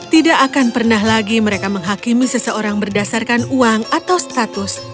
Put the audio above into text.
tidak akan pernah lagi mereka menghakimi seseorang berdasarkan uang atau status